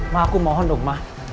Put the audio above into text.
mah aku mohon dong mah